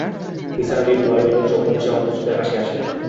নিসার আলি রুমাল বের করে চোখ মুছে অপ্রস্তুতের হাসি হাসলেন।